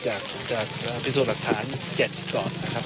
จากพิสูจน์หลักฐาน๗ก่อนนะครับ